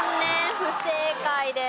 不正解です。